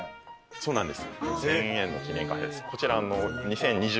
そうなんです。